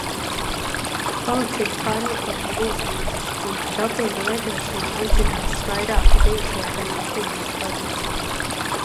Policija pārmeklēja viesnīcas un dopinga lietošanā atzinās vairāki bijušie un aktīvie sportisti.